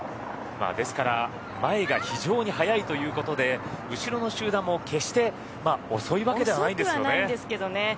ですから前が非常に速いということで後ろの集団も決して遅いわけではないんですけどね。